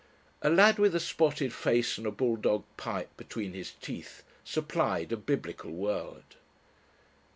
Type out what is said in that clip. A lad with a spotted face and a bulldog pipe between his teeth supplied a Biblical word.